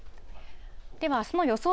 では、あすの予想